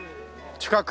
近く。